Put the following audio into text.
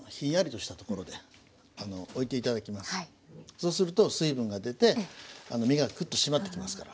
そうすると水分が出て身がクッとしまってきますから。